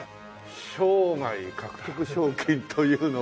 生涯獲得賞金というのはどのくらい？